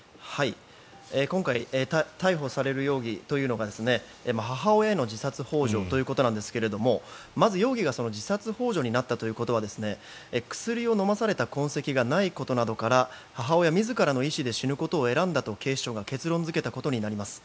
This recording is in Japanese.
今回逮捕される容疑というのが母親への自殺ほう助ということですがまず、容疑が自殺ほう助になったということは薬を飲まされた痕跡がないことなどから母親自らの意思で死ぬことを選んだと警視庁が結論付けたことになります。